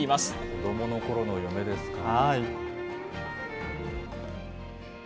子どものころの夢ですか。